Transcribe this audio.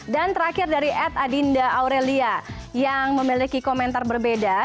dan terakhir dari ed adinda aurelia yang memiliki komentar berbeda